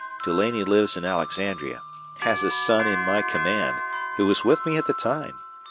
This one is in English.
Dulaney lives in Alexandria, has a son in my command, who was with me at the time.